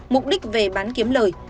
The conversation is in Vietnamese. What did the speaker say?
mục đích về bán kiếm lời